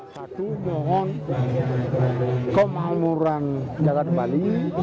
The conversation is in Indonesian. satu mohon kemakmuran jakarta bali